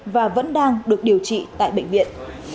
và vẫn đang được điều trị tại bệnh viện